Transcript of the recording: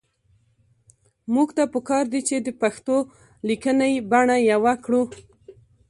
موږ ته پکار دي چې د پښتو لیکنۍ بڼه يوه کړو